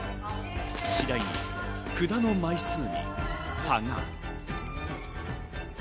次第に札の枚数に差が。